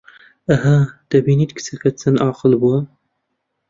ئەها، دەبینیت کچەکەت چەند ئاقڵ بووە